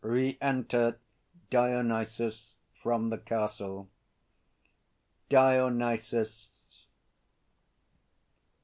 Re enter DIONYSUS from the Castle. DIONYSUS.